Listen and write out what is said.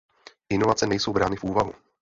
Inovace nejsou brány v úvahu.